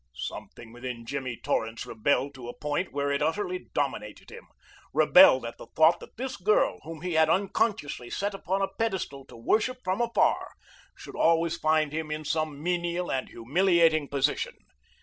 Something within Jimmy Torrance rebelled to a point where it utterly dominated him rebelled at the thought that this girl, whom he had unconsciously set upon a pedestal to worship from afar, should always find him in some menial and humiliating position.